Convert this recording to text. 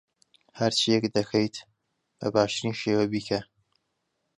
هەرچییەک دەکەیت، بە باشترین شێوە بیکە.